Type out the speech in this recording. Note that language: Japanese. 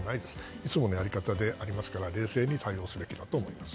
いつものやり方ですので冷静に対応すべきだと思います。